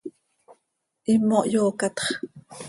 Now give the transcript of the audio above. Himo hyoocatx.